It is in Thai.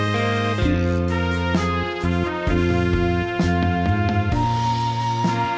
แล้วมีอุ้ย